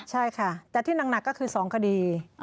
ใช่ค่ะแต่ที่หนักก็คือ๒คดี